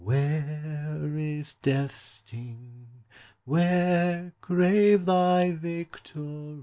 Where is death's sting, where, grave, thy victory?